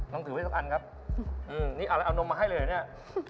มองถือไปซักอันครับนี่เอานมมาให้เลยอันนี้